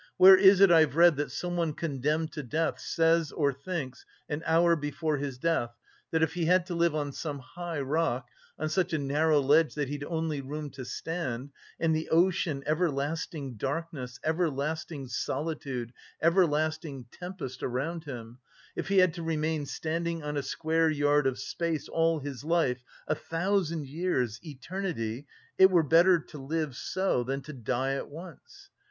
"Where is it I've read that someone condemned to death says or thinks, an hour before his death, that if he had to live on some high rock, on such a narrow ledge that he'd only room to stand, and the ocean, everlasting darkness, everlasting solitude, everlasting tempest around him, if he had to remain standing on a square yard of space all his life, a thousand years, eternity, it were better to live so than to die at once!